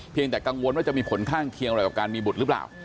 ยังแต่กังวลว่าจะมีผลข้างเคียงอะไรกับการมีบุตรหรือเปล่า